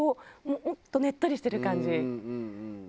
もっとねっとりしてる感じ。